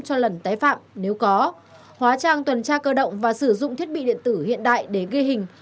cho lần tái phạm nếu có hóa trang tuần tra cơ động và sử dụng thiết bị điện tử hiện đại để ghi hình